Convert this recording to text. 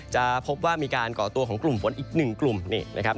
จะพบว่ามีการเกาะตัวของกลุ่มฝนอีก๑กลุ่มนะครับ